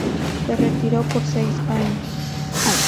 Se retiró por unos seis años.